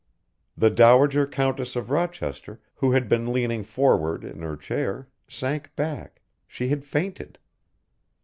The Dowager Countess of Rochester who had been leaning forward in her chair, sank back, she had fainted.